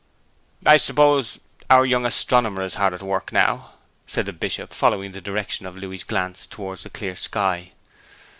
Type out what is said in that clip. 'I suppose our young astronomer is hard at work now,' said the Bishop, following the direction of Louis's glance towards the clear sky.